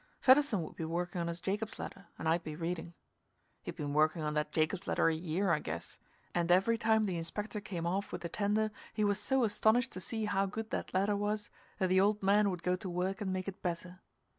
Fedderson would be working on his Jacob's ladder, and I'd be reading. He'd been working on that Jacob's ladder a year, I guess, and every time the Inspector came off with the tender he was so astonished to see how good that ladder was that the old man would go to work and make it better.